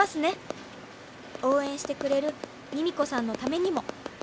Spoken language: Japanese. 「応援してくれるミミ子さんのためにも」